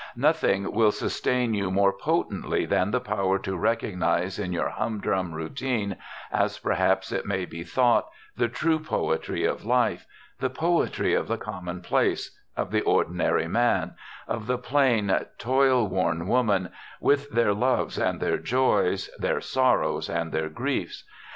Nothing will sustain you more potently than the power to recognize in your humdrum routine, as perhaps it may be thought, the true poetry of life the poetry of the commonplace, of the ordinary man, of the plain, toilworn woman, with their loves and their joys, their sorrows and their griefs.